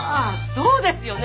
そうですよね